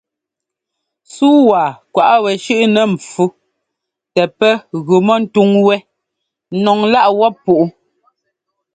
Súu wa kwaꞌ wɛ shʉ́ꞌnɛ ḿpfú tɛ pɛ́ gʉ mɔ ńtúŋ wɛ́ nɔŋláꞌ wɔp púꞌu.